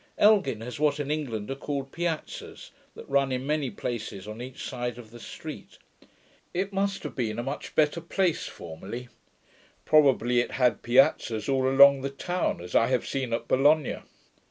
Elgin has what in England are called piazzas, that run in many places on each side of the street. It must have been a much better place formerly. Probably it had piazzas all along the town, as I have seen at Bologna.